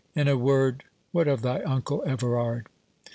—In a word, what of thy uncle Everard?"